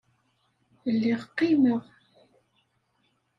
Lliɣ qqimeɣ.